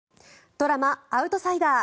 ドラマ「アウトサイダー」